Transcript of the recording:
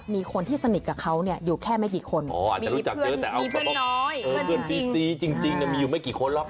มีอยู่ไม่กี่คนหรอก